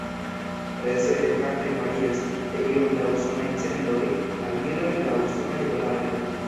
Prezoj de kartoj varias de iom da usonaj cendoj al miloj da usonaj dolaroj.